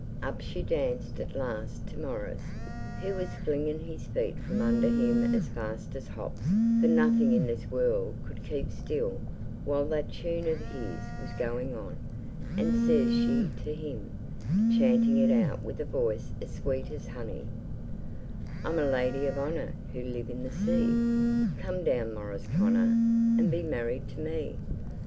Up she danced at last to Maurice, who was flinging his feet from under him as fast as hops for nothing in this world could keep still while that tune of his was going on and says she to him, chanting it out with a voice as sweet as honey: I'm a lady of honour Who live in the sea; Come down, Maurice Connor, And be married to me.